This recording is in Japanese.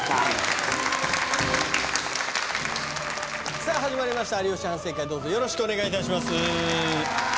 さぁ始まりました『有吉反省会』どうぞよろしくお願いします。